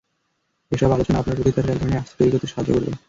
এসব আলোচনা আপনার প্রতি তার একধরনের আস্থা তৈরি করতে সাহায্য করবে।